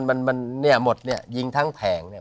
มันมันเนี่ยหมดเนี่ยยิงทั้งแผงเนี่ย